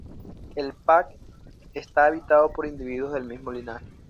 El pac está habitado por individuos del mismo linaje.